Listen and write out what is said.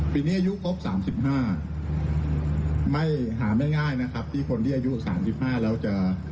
ปีนี้อายุครบสามสิบห้าไม่หาไม่ง่ายนะครับที่คนที่อายุสามสิบห้าแล้วจะ